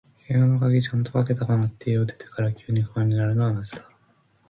部屋の鍵、ちゃんとかけたかなって、家を出てから急に不安になるのはなぜだろう。